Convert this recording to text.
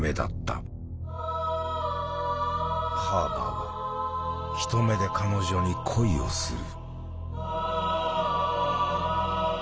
ハーバーは一目で彼女に恋をする。